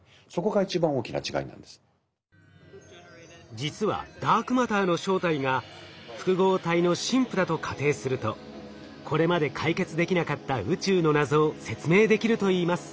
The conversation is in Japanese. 実はダークマターの正体が複合体のＳＩＭＰだと仮定するとこれまで解決できなかった宇宙の謎を説明できるといいます。